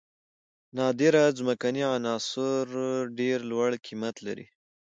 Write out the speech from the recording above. نادره ځمکنۍ عناصر ډیر لوړ قیمت لري.